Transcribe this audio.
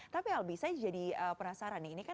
tapi albi saya jadi penasaran nih